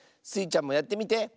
スイちゃんもやってみて。